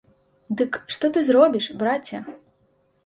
Дык што ты зробіш, браце!